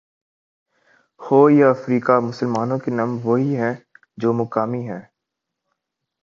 ہو یا افریقہ مسلمانوں کے نام وہی ہیں جو مقامی ہیں۔